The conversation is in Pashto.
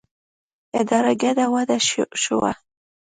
اداره ګډه وډه شوه.